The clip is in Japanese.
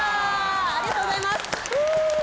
ありがとうございます。